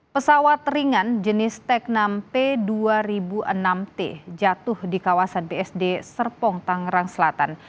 pesawat ringan jenis teknam p dua ribu enam t jatuh di kawasan bsd serpong tangerang selatan